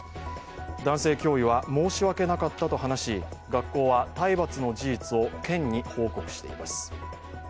男性教諭は申し訳なかったと話し学校は体罰の事実を県に報告しています。